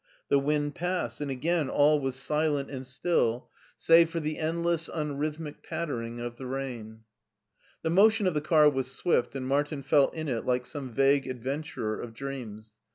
The wind passed, and again all was silent and 346 MARTIN SCHULER still, save for die endless tiiirliythinic pattering of tbe laia The motion of tbe car was swift, and Martin felt in it like some vague adventurer of dreams.